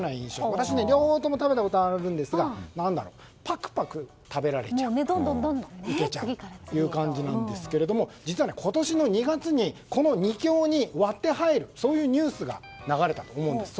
私は両方食べたことがあるんですがぱくぱく食べられちゃうという感じなんですが実は今年の２月にこの２強に割って入るそういうニュースが流れたんです。